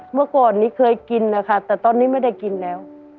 เมื่อก่อนนี้เคยกินนะคะแต่ตอนนี้ไม่ได้กินแล้ว